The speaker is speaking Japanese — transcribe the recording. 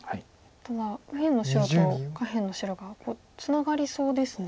ただ右辺の白と下辺の白がツナがりそうですね。